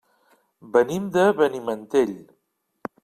Venim de Benimantell.